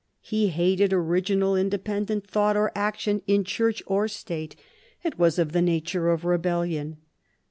He hated original, independent thought or action, in Church or State ; it was of the nature of rebellion.